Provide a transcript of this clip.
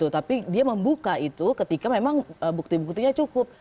tapi dia membuka itu ketika memang bukti buktinya cukup